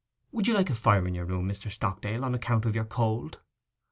'Would you like a fire in your room, Mr. Stockdale, on account of your cold?